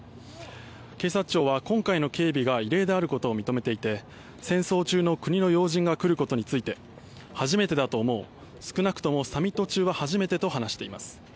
警察庁は今回の警備が異例であることを認めていて戦争中の国の要人が来ることについて初めてだと思う少なくともサミット中は初めてと話しています。